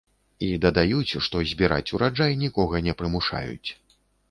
І дадаюць, што збіраць ураджай нікога не прымушаюць.